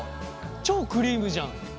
超クリームじゃん。